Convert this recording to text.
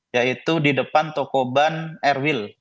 yaitu di depan toko ban erwin